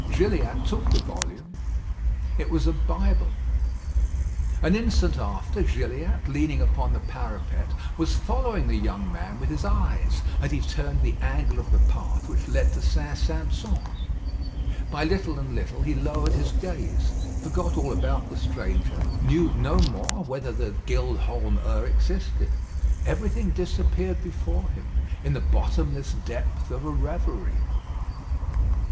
Gilliatt took the volume. It was a Bible. An instant after, Gilliatt, leaning upon the parapet, was following the young man with his eyes as he turned the angle of the path which led to St. Sampson. By little and little he lowered his gaze, forgot all about the stranger knew no more whether the "Gild Holm 'Ur" existed. Everything disappeared before him in the bottomless depth of a reverie.